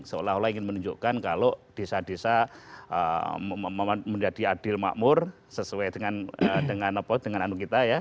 seolah olah ingin menunjukkan kalau desa desa menjadi adil makmur sesuai dengan anu kita ya